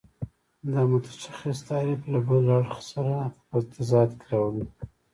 دا متشخص تعریف له بل اړخ سره په تضاد کې راولي.